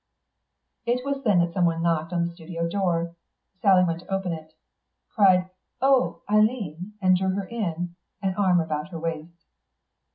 It was then that someone knocked on the studio door. Sally went to open it; cried, "Oh, Eileen," and drew her in, an arm about her waist.